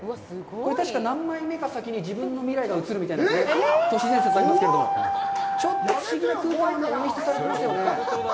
たしか、何枚目か先に自分の未来が映るみたいな、都市伝説がありますけれども、ちょっと不思議な空間が演出されていますよね。